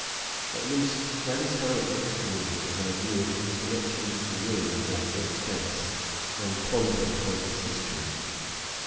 At least, that is how it looks to me, as I view it in connection with the ruins at its base and ponder upon its history.